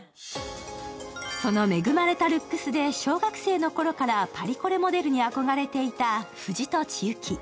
その恵まれたルックスで小学生のころからパリコレモデルに憧れていた藤戸千雪。